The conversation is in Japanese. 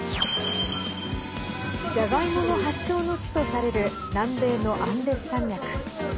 じゃがいもの発祥の地とされる南米のアンデス山脈。